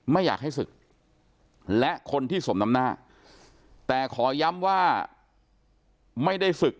ไม่อยากให้ศึกและคนที่สมน้ำหน้าแต่ขอย้ำว่าไม่ได้ศึก